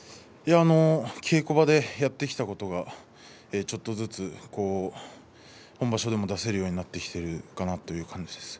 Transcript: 稽古場でやってきたことがちょっとずつ本場所でも出せるようになっているのかなという感じです。